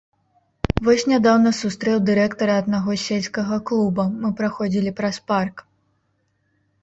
Вось нядаўна сустрэў дырэктара аднаго сельскага клуба, мы праходзілі праз парк.